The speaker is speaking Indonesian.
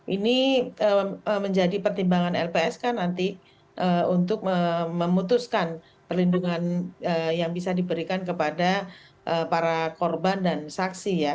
ini menjadi pertimbangan lpsk nanti untuk memutuskan perlindungan yang bisa diberikan kepada para korban dan saksi ya